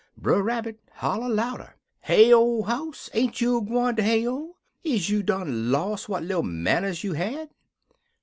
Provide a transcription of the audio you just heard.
"Brer Rabbit holler louder, 'Heyo, house! Ain't you gwine ter heyo? Is you done los' what little manners you had?'